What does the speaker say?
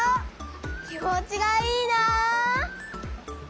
気持ちがいいな！